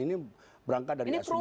ini berangkat dari asumsi